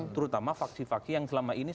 terutama faksi faksi yang selama ini